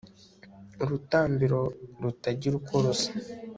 urutambiro rutagira uko rusa